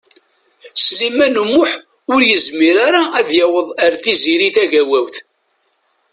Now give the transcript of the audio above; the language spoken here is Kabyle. Sliman U Muḥ ur yezmir ara ad yaweḍ ar Tiziri Tagawawt.